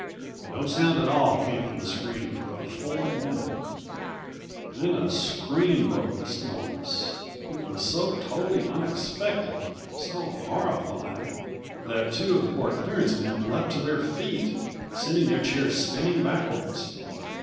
No sound at all came from the screen for a full minute. Then a scream broke the stillness. It was so totally unexpected, so horrifying, that two of the port clearance men leapt to their feet, sending their chairs spinning backwards.